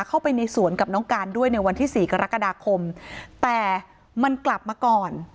เข้าไปในสวนกับน้องการด้วยในวันที่สี่กรกฎาคมแต่มันกลับมาก่อน